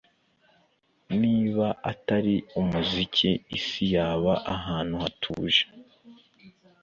Niba atari umuziki isi yaba ahantu hatuje